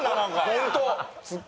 本当！